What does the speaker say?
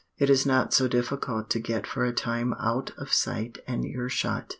It is not so difficult to get for a time out of sight and earshot.